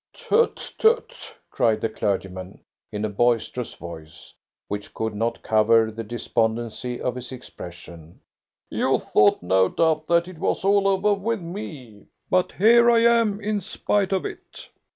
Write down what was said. "Tut, tut!" cried the clergyman, in a boisterous voice, which could not cover the despondency of his expression; "you thought, no doubt, that it was all over with me, but here I am in spite of it.